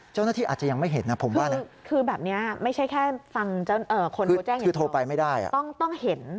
เจ้าหน้าที่อาจจะยังไม่เห็นนะผมว่านะคือแบบนี้ไม่ใช่แค่ฟังคนคือโทรไปไม่ได้ต้องเห็น